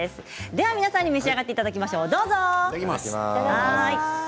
皆さんに召し上がっていただきましょう。